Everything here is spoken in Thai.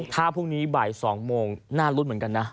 ถ้าพรุ่งนี้บ่าย๒โมงน่ารุ้นเหมือนกันนะ